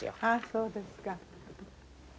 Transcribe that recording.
そうですか。